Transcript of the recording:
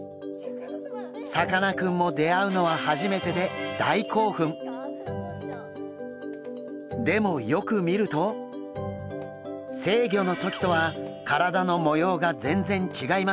さかなクンも出会うのは初めてででもよく見ると成魚の時とは体の模様が全然違いますよね。